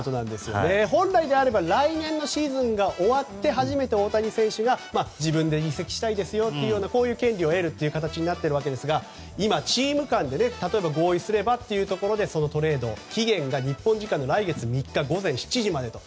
本来であれば来年のシーズンが終わって初めて大谷選手が自分で移籍したいですよという権利を得るという形になっているわけですが今、チーム間で合意すればというところで期限が日本時間の来月３日午前７時までと。